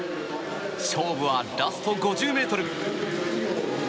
勝負はラスト５０ｍ。